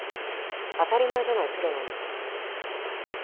当たり前じゃないプロなんだから。